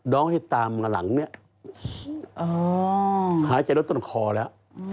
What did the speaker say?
๒น้องที่ตามอยู่หลังนี้หายใจละต้นคอแล้ว